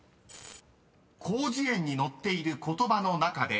［広辞苑に載っている言葉の中で］